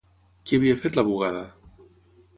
Qui havia fet la bugada?